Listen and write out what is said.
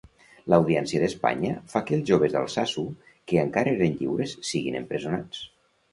L'Audiència d'Espanya fa que els joves d'Altsasu que encara eren lliures siguin empresonats.